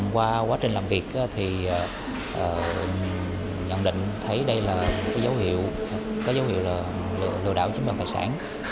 qua quá trình làm việc thì nhận định thấy đây là một dấu hiệu có dấu hiệu là lừa đảo chính đồng hải sản